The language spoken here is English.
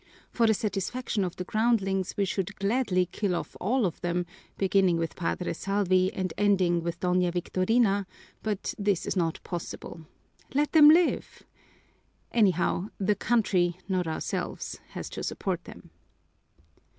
For the satisfaction of the groundlings we should gladly kill off all of them, beginning with Padre Salvi and ending with Doña Victorina, but this is not possible. Let them live! Anyhow, the country, not ourselves, has to support them.